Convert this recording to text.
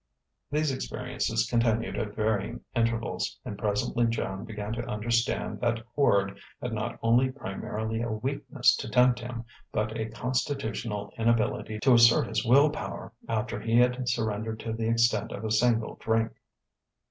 These experiences continued at varying intervals; and presently Joan began to understand that Quard had not only primarily a weakness to tempt him, but a constitutional inability to assert his will power after he had surrendered to the extent of a single drink.